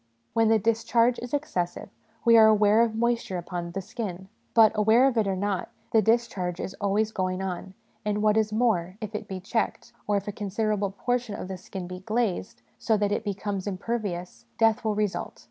When the discharge is excessive, we are aware of moisture upon the skin; but, aware of it or not, the discharge is always going on ; and, what is more, if it be checked, or if a con siderable portion of the skin be glazed, so that it becomes impervious, death will result.